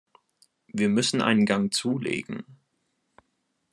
Wir müssen einen Gang zulegen.